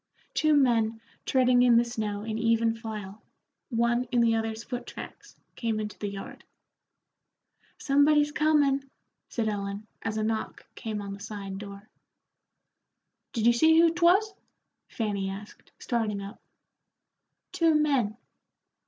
Two men treading in the snow in even file, one in the other's foot tracks, came into the yard. "Somebody's comin'," said Ellen, as a knock, came on the side door. "Did you see who 'twas?" Fanny asked, starting up. "Two men."